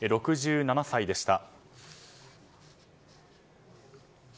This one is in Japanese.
６７歳でした。